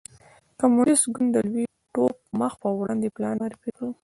کمونېست ګوند د لوی ټوپ مخ په وړاندې پلان معرفي کړ.